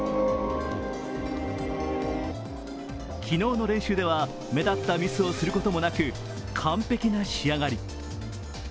昨日の練習では目立ったミスをすることもなく、完璧な仕上がり。